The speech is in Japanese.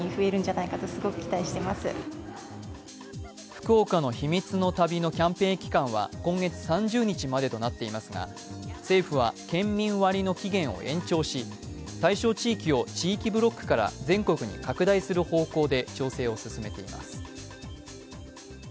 福岡の避密の旅のキャンペーン期間は今月３０日までとなっていますが、政府は県民割の期限を延長し対象地域を地域ブロックから全国に拡大する方向で調整を進めています。